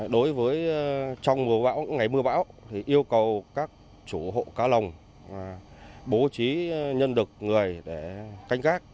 đối với trong mùa bão ngày mưa bão thì yêu cầu các chủ hộ cá lồng bố trí nhân lực người để canh gác